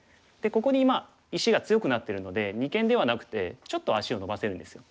ここにまあ石が強くなってるので二間ではなくてちょっと足をのばせるんですよ。